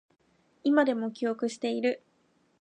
今でも記憶している